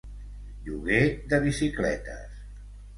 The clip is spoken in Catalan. Lloguer de bicicletes.